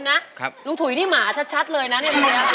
ในคราวหน้าอาจจะเป็นเสื้อเต็งก็ได้